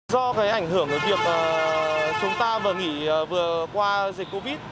do cái ảnh hưởng của việc chúng ta vừa nghỉ vừa qua dịch covid